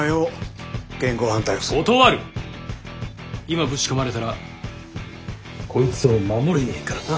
今ブチこまれたらこいつを守れねえからな。